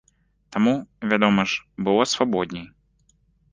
Таму, вядома ж, было свабодней!